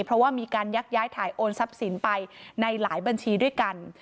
เพราะว่ามีการยักย้ายถ่ายโอนทรัพย์สินไปในหลายบัญชีด้วยกัน